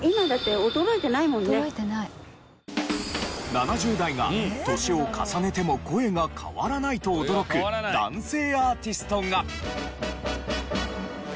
７０代が年を重ねても声が変わらないと驚く男性アーティストが。